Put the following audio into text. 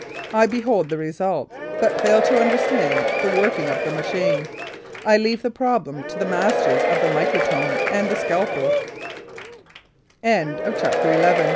I behold the results, but fail to understand the working of the machine. I leave the problem to the masters of the microtome and the scalpel. CHAPTER XII: THE GARDE